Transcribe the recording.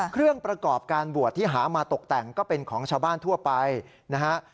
เครื่องประกอบการบวชที่หามาตกแต่งก็เป็นของชาวบ้านทั่วไปนะฮะ